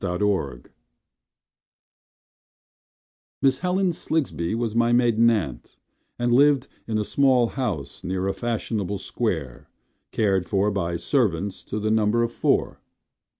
Aunt Helen Miss Helen Slingsby was my maiden aunt, And lived in a small house near a fashionable square Cared for by servants to the number of four.